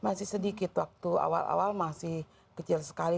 masih sedikit waktu awal awal masih kecil sekali